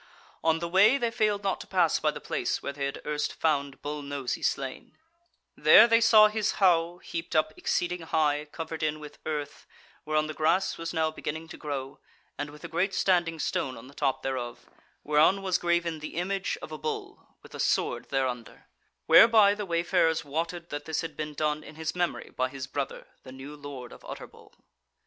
On the way they failed not to pass by the place where they had erst found Bull Nosy slain: there they saw his howe, heaped up exceeding high, covered in with earth, whereon the grass was now beginning to grow, and with a great standing stone on the top thereof, whereon was graven the image of a bull, with a sword thereunder; whereby the wayfarers wotted that this had been done in his memory by his brother, the new Lord of Utterbol.